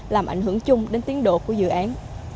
làm ảnh hưởng chung đến tiến độ của dự án